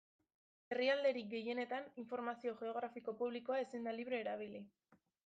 Herrialderik gehienetan informazio geografiko publikoa ezin da libre erabili.